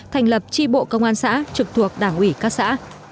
thành lập tri bộ công an xã trực thuộc đảng ủy các xã